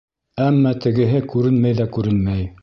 Әммә тегеһе күренмәй ҙә күренмәй.